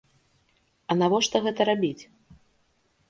А навошта гэта рабіць?